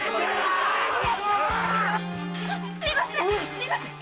すみません！